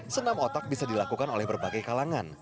senam otak bisa dilakukan oleh berbagai kalangan